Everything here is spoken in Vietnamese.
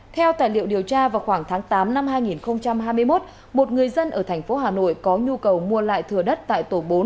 theo tài liệu điều tra vào khoảng tháng tám năm hai nghìn hai mươi một một người dân ở thành phố hà nội có nhu cầu mua lại thừa đất tại tổ bốn